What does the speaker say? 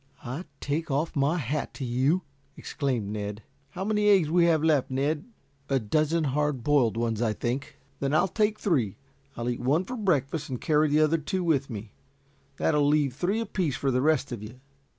"I take off my hat to you," exclaimed Ned. "How many eggs have we left, Ned?" "A dozen hard boiled ones, I think." "Then I'll take three. I'll eat one for breakfast and carry the other two with me. That will leave three apiece for the rest of you."